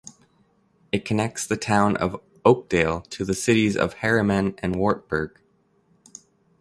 It connects the town of Oakdale to the cities of Harriman and Wartburg.